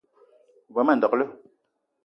O be ma ndekle